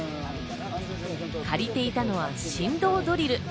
借りていたのは振動ドリル。